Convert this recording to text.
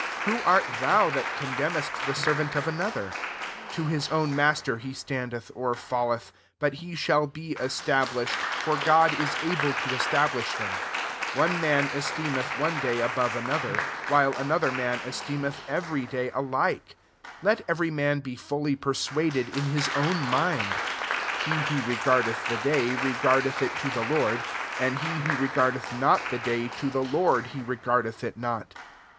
4 Who art thou that condemnest the servant of another ? to his own master he standeth or fall eth. But he sh^I be establish ed; for God is able to establish him* 5 One nan esteemeth one day above another: whilb an other man esteemeth every day oHkr, Let every man be fully persuaded in his own mind. 6 {He who regardeth the day, re gardeth it to the Lord ; and he who regardeth not the day to the Lord he regardeth it not.